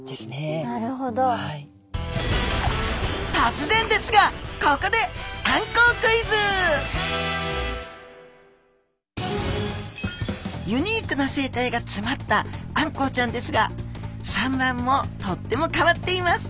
とつぜんですがここでユニークな生態がつまったあんこうちゃんですが産卵もとっても変わっています。